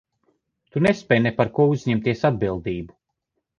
Tu nespēj ne par ko uzņemties atbildību.